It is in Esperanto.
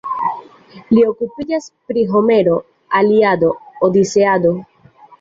Li okupiĝas pri Homero, Iliado, Odiseado.